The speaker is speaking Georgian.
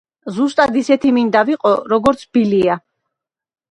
ზუსტად ისეთი მინდა ვიყო, როგორც ბილია.